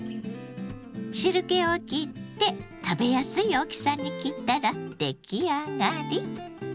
汁けをきって食べやすい大きさに切ったらできあがり。